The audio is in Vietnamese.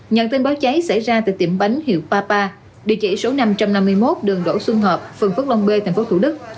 nhận tin báo cháy xảy ra tại tiệm bánh hiệu papa địa chỉ số năm trăm năm mươi một đường đỗ xuân hợp phường phước long b thành phố thủ đức